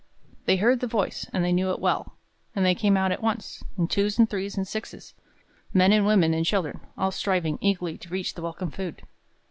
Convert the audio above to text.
They heard the voice, and they knew it well; and they came out at once, in twos and threes and sixes, men and women and children, all striving eagerly to reach the welcome food.